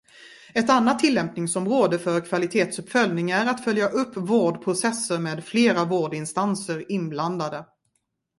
Ett annat tillämpningsområde för kvalitetsuppföljning är att följa upp vårdprocesser med flera vårdinstanser inblandade.